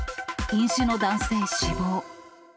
飲酒の男性死亡。